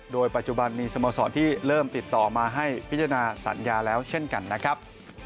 โดยปัจจุบันมีสโมสรที่เริ่มติดต่อมาให้พิจารณาสัญญาแล้วเช่นกันนะครับ